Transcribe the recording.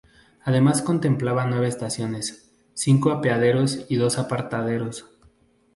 Además contemplaba nueve estaciones, cinco apeaderos y dos apartaderos.